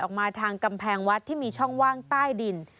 ออกมาทางกำแพงวัดที่มีช่องว่างใต้ดิน